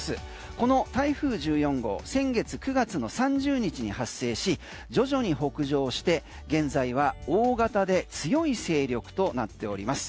この台風１４号先月９月の３０日に発生し徐々に北上して現在は大型で強い勢力となっております。